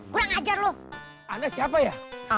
kurang ajar lu anda siapa ya